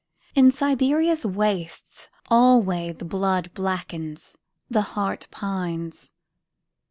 In Siberia's wastes alwayThe blood blackens, the heart pines.